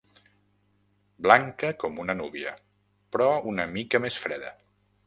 Blanca com una núvia, però una mica més freda.